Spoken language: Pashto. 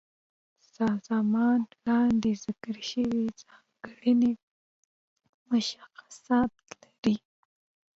سازمان لاندې ذکر شوي ځانګړي مشخصات لري.